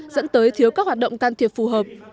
dẫn tới thiếu các hoạt động can thiệp phù hợp